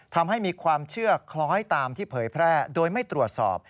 ทำให้มีความเชื่อคล้อยตามที่เผยแพร่โดยไม่ตรวจสอบ